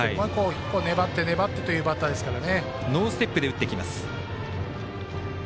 １個粘ってというバッターですからね。